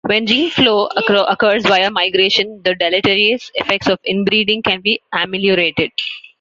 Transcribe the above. When gene flow occurs via migration the deleterious effects of inbreeding can be ameliorated.